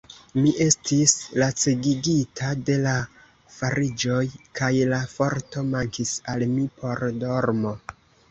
Mi estis lacegigita de la fariĝoj, kaj la forto mankis al mi por dormo.